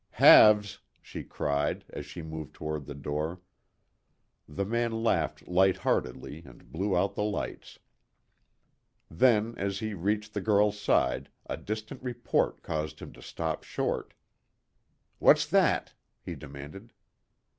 "Halves," she cried, as she moved toward the door. The man laughed light heartedly and blew out the lights. Then, as he reached the girl's side, a distant report caused him to stop short. "What's that?" he demanded.